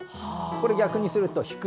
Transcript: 逆にすると、引く。